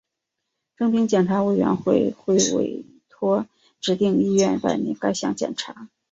征兵检查委员会会委托指定医院办理该项检查。